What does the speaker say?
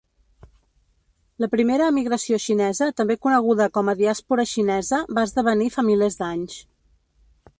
La primera emigració xinesa, també coneguda com a diàspora xinesa va esdevenir fa milers d'anys.